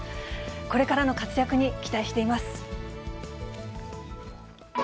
これからの活躍に期待しています。